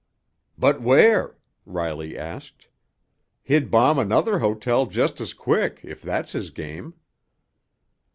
"But where?" Riley asked. "He'd bomb another hotel just as quick if that's his game."